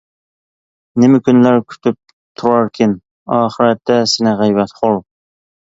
نېمە كۈنلەر كۈتۈپ تۇراركىن، ئاخىرەتتە سېنى غەيۋەتخور.